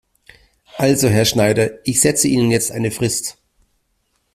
Also Herr Schneider, ich setze Ihnen jetzt eine Frist.